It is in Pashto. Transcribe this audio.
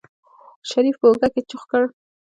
شريف په اوږه کې چوخ کړ.